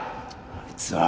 あいつは。